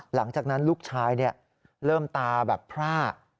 หลังจากนั้นลูกชายเริ่มตาแบบพร่า